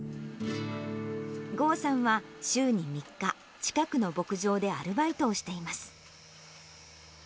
豪さんは、週に３日、近くの牧場でアルバイトをしています。